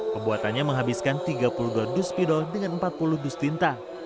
pembuatannya menghabiskan tiga puluh dua dus pidol dengan empat puluh dus tinta